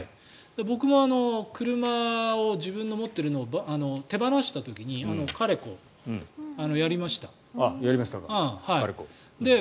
僕も車を自分の持っているのを手放した時にカレコ、やりました。